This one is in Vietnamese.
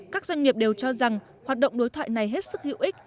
các doanh nghiệp đều cho rằng hoạt động đối thoại này hết sức hữu ích